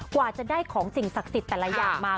กว่าจะได้ของสิ่งศักดิ์สิทธิ์แต่ละอย่างมา